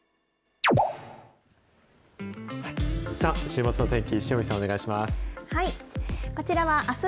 週末のお天気、塩見さん、お願いします。